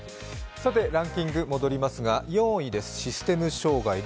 ランキングに戻りますが、４位です、システム障害。